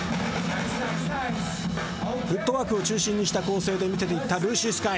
フットワークを中心にした構成で見せていったＬｕｓｓｙＳｋｙ。